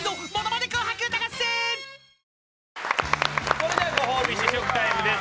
それではご褒美試食タイムです。